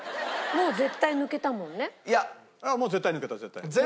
もう絶対抜けた絶対抜けた。